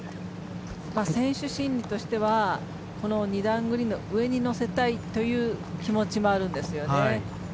選手心理としては２段グリーンの上にのせたいという気持ちもあるんですよね。